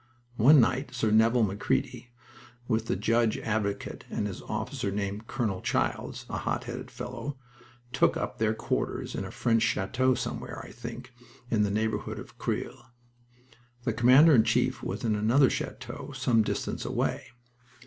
One night Sir Neville Macready, with the judge advocate and an officer named Colonel Childs (a hot headed fellow!), took up their quarters in a French chateau somewhere, I think, in the neighborhood of Creil. The Commander in Chief was in another chateau some distance away.